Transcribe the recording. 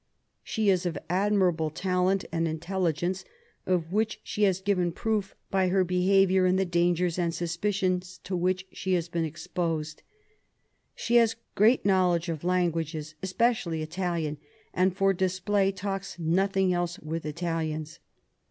She is of admirable talent and intelligence, of which she has given proof by her behaviour in the dangers and sus picions to which she has been exposed. She has great knowledge of languages, especially Italian, and for display talks nothing else with Italians.